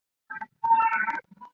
劳动群众。